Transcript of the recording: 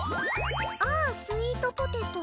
「ああ、スイートポテト。」